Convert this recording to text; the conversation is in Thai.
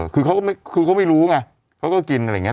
คือเขาไม่รู้ไงเขาก็กินอะไรอย่างนี้